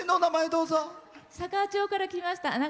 佐川町から来ました、